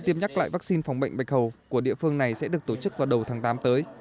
tiêm nhắc lại vaccine phòng bệnh bạch hầu của địa phương này sẽ được tổ chức vào đầu tháng tám tới